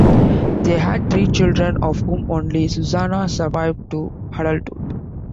They had three children, of whom only Susanna survived to adulthood.